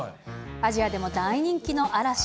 アジアでも大人気の嵐。